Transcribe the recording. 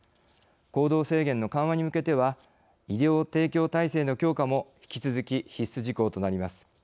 行動制限の緩和に向けては医療提供体制の強化も引き続き必須事項となります。